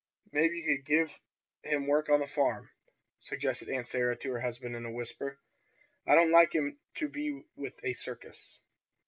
"Maybe you could give him work on the farm," suggested Aunt Sarah to her husband in a whisper. "I don't like him to be with a circus.